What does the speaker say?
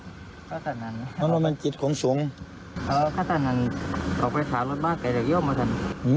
ซักท่านอันนี้แล้วมันจิตของสุงเออข้าต่างงานลงไปสาวรถบ้านไปแล้วไย้อมกัน